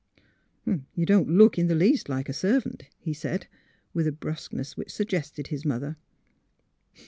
'' You don 't look in the least like a servant, '' he said, with a brusqueness which suggested his mother.